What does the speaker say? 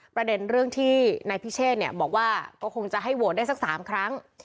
ประเด็นเรื่องที่นายพิเชษบอกว่าก็คงจะให้โหวตได้สัก๓ครั้ง